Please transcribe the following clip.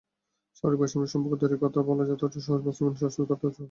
সামরিক-বেসামরিক সম্পর্ক তৈরির কথা বলা যতটা সহজ, বাস্তবায়ন আসলে ততটা সহজ নয়।